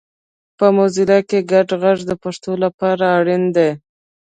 په موزیلا کې ګډ غږ د پښتو لپاره اړین دی